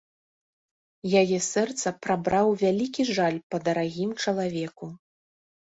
Яе сэрца прабраў вялікі жаль па дарагім чалавеку.